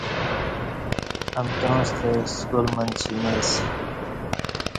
امکیاں ستہ سکال منچی نہ اسی